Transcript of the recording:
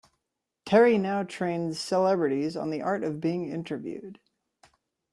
Terry now trains celebrities on the art of being interviewed.